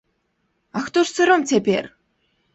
А хто ж царом цяпер?